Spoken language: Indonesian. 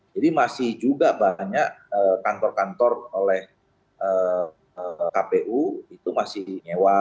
jadi masih juga banyak kantor kantor oleh kpu itu masih nyewa